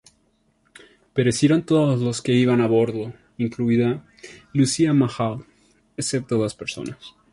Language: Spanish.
Perecieron todos los que iban a bordo, incluida Lucia-Mahaut, excepto dos personas.